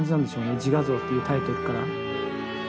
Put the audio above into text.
「自画像」っていうタイトルから。